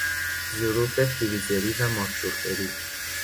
ظروف فریزری و ماکروفری